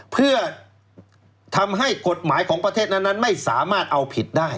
เพื่อทำให้กฎหมายของประเทศนั้นไม่สามารถเอาผิดได้